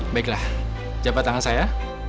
baiklah jabat tangan saya